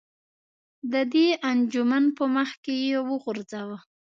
د دې انجمن په مخ کې یې وغورځوه.